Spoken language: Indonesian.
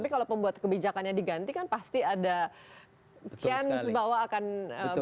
tapi kalau pembuat kebijakannya diganti kan pasti ada chance bahwa akan